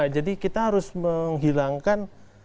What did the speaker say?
jadi kita harus menghilangkan